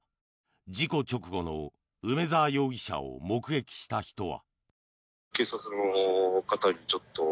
事故直後の梅沢容疑者を目撃した人は。